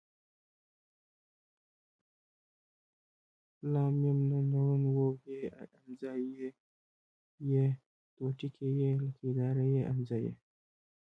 ل م ن ڼ و ه ء ی ي ې ۍ ئ